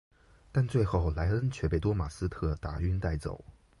但最后莱恩却被多马斯特打晕带走。